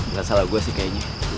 gak salah sih gue simply